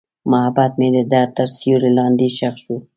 محبت مې د درد تر سیوري لاندې ښخ شو.